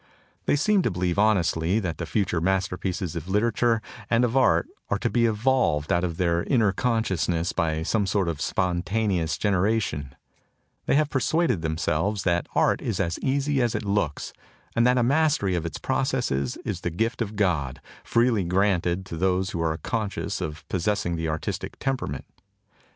They seem to believe honestly that the future masterpieces of 16 THE TOCSIN OF REVOLT literature and of art are to be evolved out of their inner consciousness by some sort of spon taneous generation. They have persuaded themselves that art is as easy as it looks and that a mastery of its processes is the gift of God, freely granted to those who are conscious of pos sessing the artistic temperament.